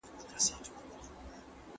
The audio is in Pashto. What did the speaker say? بیا به سېل د شوپرکو له رڼا وي تورېدلی